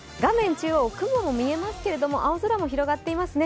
中央、雲が見えますけども青空も広がっていますね。